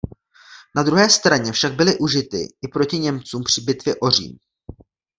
Na druhé straně však byly užity i proti Němcům při bitvě o Řím.